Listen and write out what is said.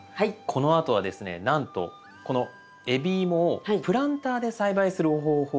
このあとはですねなんとこの海老芋をプランターで栽培する方法